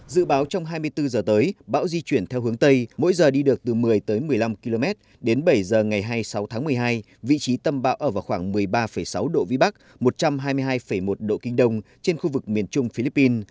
dự báo trong hai mươi bốn h tới bão di chuyển theo hướng tây mỗi giờ đi được từ một mươi tới một mươi năm km đến bảy giờ ngày hai mươi sáu tháng một mươi hai vị trí tâm bão ở vào khoảng một mươi ba sáu độ vĩ bắc một trăm hai mươi hai một độ kinh đông trên khu vực miền trung philippines